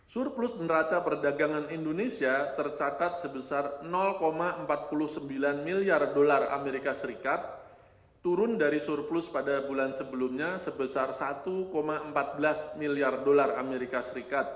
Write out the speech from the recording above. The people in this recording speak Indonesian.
surplus neraca perdagangan indonesia tercatat sebesar empat puluh sembilan miliar dolar amerika serikat turun dari surplus pada bulan sebelumnya sebesar satu empat belas miliar dolar amerika serikat